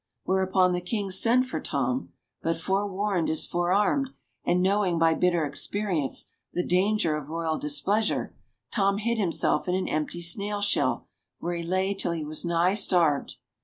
Whereupon the King sent for Tom ; but forewarned is forearmed, and knowing by bitter experience the danger of royal displeasure, Tom hid himself in an empty snail shell, where he lay till he was nigh starved.